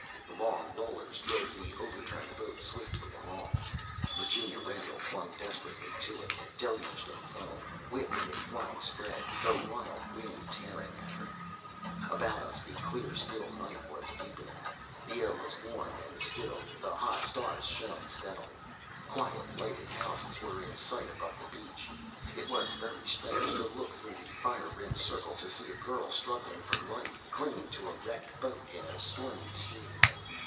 The long rollers drove the over turned boat swiftly along. Virginia Randall clung desperately to it, deluged in foam, whipped with flying spray, the wild wind tearing at her. About us, the clear still night was deepening. The air was warm and still; the hot stars shone steadily. Quiet lighted houses were in sight above the beach. It was very strange to look through the fire rimmed circle, to see a girl struggling for life, clinging to a wrecked boat in a stormy sea.